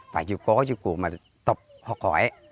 phải chỉ có chứ cổ mà tập học hỏi